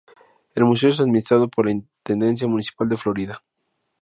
El museo es administrado por la Intendencia Municipal de Florida.